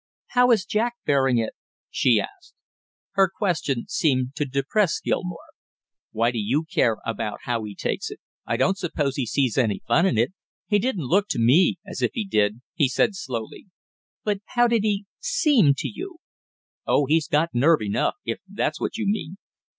"How is Jack bearing it?" she asked. Her question seemed to depress Gilmore. "Why do you care about how he takes it? I don't suppose he sees any fun in it, he didn't look to me as if he did," he said slowly. "But how did he seem to you?" "Oh, he's got nerve enough, if that's what you mean!"